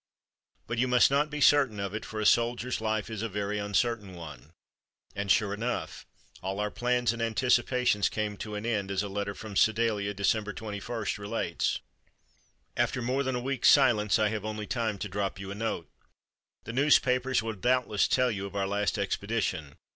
But you must not be certain of it, for a soldier's life is a very uncertain one." And sure enough all our plans and anticipations came to an end, as a letter from Sedalia, December 21, relates: "After more than a week's silence I have only time to drop you a note. The newspapers will doubtless tell you of our last expedition.